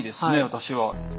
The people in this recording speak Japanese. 私は。